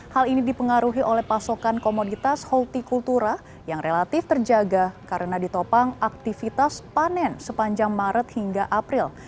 hal ini dipengaruhi oleh pasokan komoditas holti kultura yang relatif terjaga karena ditopang aktivitas panen sepanjang maret hingga april